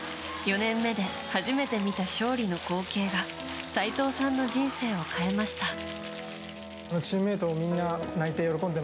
４年目で初めて見た勝利の光景が齋藤さんの人生を変えました。